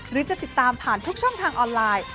หรือจะติดตามผ่านทุกช่องทางออนไลน์